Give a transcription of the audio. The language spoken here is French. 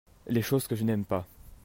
Les choses que je n'aime pas.